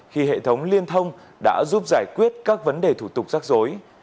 khi hệ thống liên thông đã giúp giải quyết các vấn đề thủ tục rắc rối